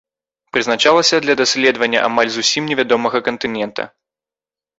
Прызначалася для даследавання амаль зусім невядомага кантынента.